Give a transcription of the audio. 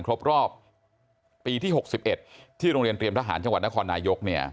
ครบรอบปีที่๖๑ที่โรงเรียนเตรียมทหารจังหวัดนครนายก